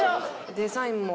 デザインも。